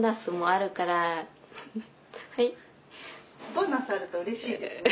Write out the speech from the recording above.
ボーナスあるとうれしいですね。